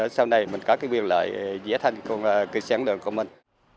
sau này mình có cái biên lợi dễ thanh cùng cái xe hóa đường của mình